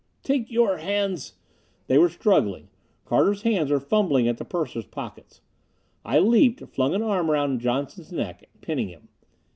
"Take your hands! " They were struggling. Carter's hands were fumbling at the purser's pockets. I leaped, flung an arm around Johnson's neck, pinning him.